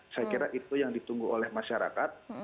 saya kira itu yang ditunggu oleh masyarakat